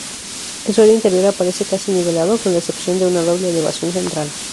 El suelo interior aparece casi nivelado, con la excepción de una doble elevación central.